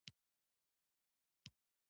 رپوټ لیکئ؟